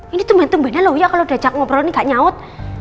ini tuh main mainnya lo ya kalo di ajak ngobrol ini ga nyaut